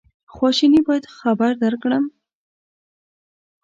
خواشیني باید خبر درکړم.